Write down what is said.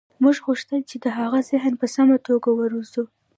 موږ غوښتل چې د هغه ذهن په سمه توګه وروزو